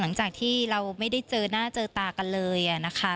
หลังจากที่เราไม่ได้เจอหน้าเจอตากันเลยนะคะ